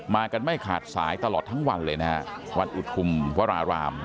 กันไม่ขาดสายตลอดทั้งวันเลยนะฮะวัดอุทุมวราราม